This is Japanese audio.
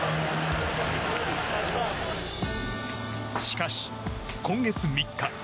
しかし、今月３日。